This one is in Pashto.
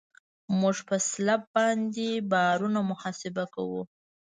موږ په سلب باندې بارونه محاسبه کوو